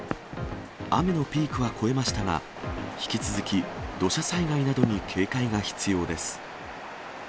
雨のピークは越えましたが、引き続き土砂災害などに警戒が必要です。